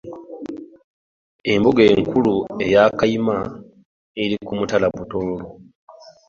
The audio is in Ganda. Embuga enkulu eya Kayima eri ku mutala Butoolo.